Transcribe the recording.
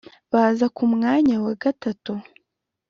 baza ku mwanya wa gatatu